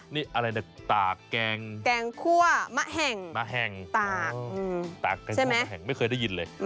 นี่อะไรนะตากแกงแกงคั่วมะแห่งตากใช่ไหมไม่เคยได้ยินเลย